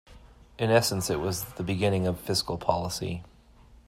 In essence, it was the beginning of fiscal policy.